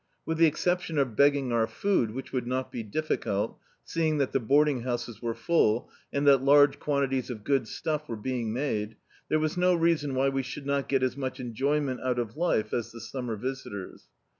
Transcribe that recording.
With the exception of begg^ our food, which would not be diiBcult, seeing that the boarding houses were full, and that large quantities of good stuff were being made, there was no reason why we should not get as much enjoyment out of life as the summer visitors.